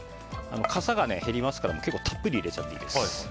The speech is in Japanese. かさが減りますからたっぷり入れちゃっていいです。